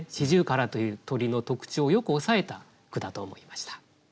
四十雀という鳥の特徴をよく押さえた句だと思いました。